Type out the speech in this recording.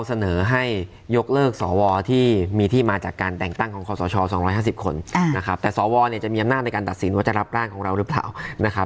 จะมีอำนาจในการตัดสินว่าจะรับร่างของเรารึเปล่า